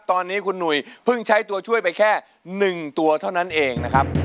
ตอนนี้คุณหนุ่ยเพิ่งใช้ตัวช่วยไปแค่๑ตัวเท่านั้นเองนะครับ